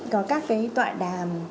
có các cái tọa đàm